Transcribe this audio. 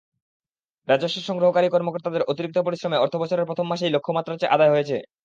রাজস্ব সংগ্রহকারী কর্মকর্তাদের অতিরিক্ত পরিশ্রমে অর্থবছরের প্রথম মাসেই লক্ষ্যমাত্রার চেয়ে আদায় হয়েছে।